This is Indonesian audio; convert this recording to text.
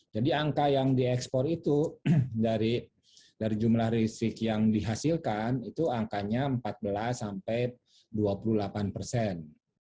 jadi angka yang diekspor itu dari jumlah listrik yang dihasilkan itu angkanya empat belas sampai dua puluh delapan persen